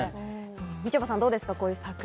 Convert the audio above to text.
みちょぱさん、どうですか？